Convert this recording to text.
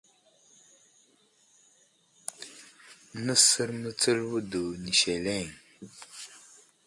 Nəsər mətsəl wədo ni seleŋ.